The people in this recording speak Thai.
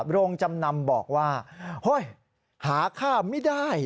โรงจำนำบอกว่าเฮ้ยหาค่าไม่ได้